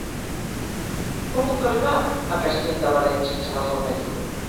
Com puc arribar a Castell de l'Areny sense agafar el metro?